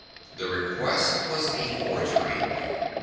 The request was a forgery.